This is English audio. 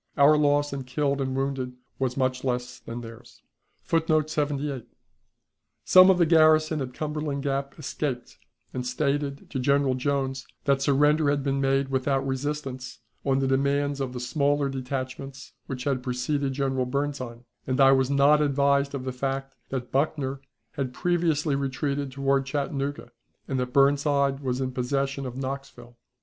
Our loss in killed and wounded was much less than theirs. [Footnote 78: Some of the garrison of Cumberland Gap escaped, and stated to General Jones that the surrender had been made without resistance, on the demands of the smaller detachments which had preceded General Burnside, and I was not advised of the fact that Buckner had previously retreated toward Chattanooga, and that Burnside was in possession of Knoxville.